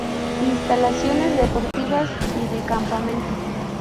Instalaciones deportivas y de campamento.